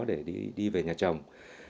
để đi về nhà chồng